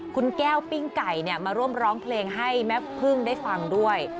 คุณแก้วปิ้งไก่มาร่วมร้องเพลงให้แม่พึ่งได้ฟังด้วย